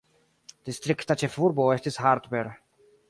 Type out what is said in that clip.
Distrikta ĉefurbo estis Hartberg.